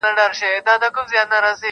چي دا کلونه راته وايي نن سبا سمېږي -